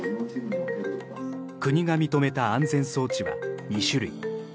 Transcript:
国が認めた安全装置は２種類。